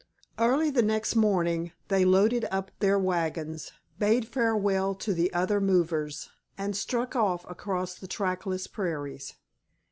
Early the next morning they loaded up their wagons, bade farewell to the other movers, and struck off across the trackless prairies.